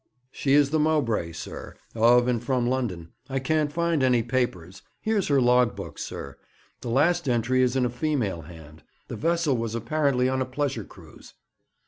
'She is the Mowbray, sir, of, and from, London. I can't find any papers. Here's her log book, sir. The last entry is in a female hand. The vessel was apparently on a pleasure cruise.'